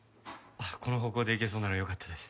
この方向でいけそうならよかったです。